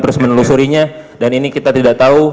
terus menelusurinya dan ini kita tidak tahu